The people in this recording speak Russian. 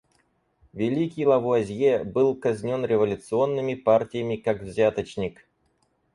Великий Лавуазье был казнен революционными партиями как взяточник.